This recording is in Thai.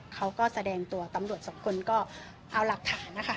เขาก็แสดงตัวตำรวจสองคนก็เอาหลักฐานนะคะ